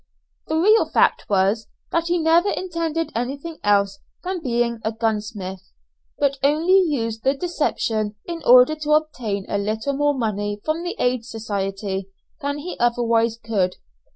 The real fact was, that he never intended anything else than being a "gunsmith," but only used the deception in order to obtain a little more money from the Aid Society than he otherwise could.